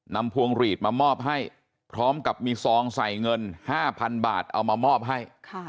พวงหลีดมามอบให้พร้อมกับมีซองใส่เงิน๕๐๐๐บาทเอามามอบให้